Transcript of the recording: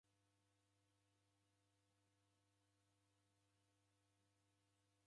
W'ahalifu ndew'ifwane kusighirilwa.